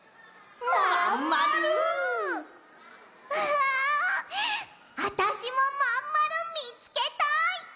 ああたしもまんまるみつけたい！